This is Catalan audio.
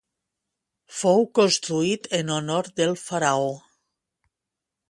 Fou construït en honor del faraó.